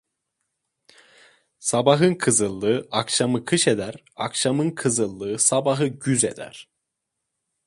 Sabahın kızıllığı akşamı kış eder; akşamın kızıllığı sabahı güz eder.